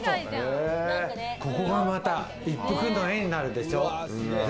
ここも一幅の絵になるでしょ？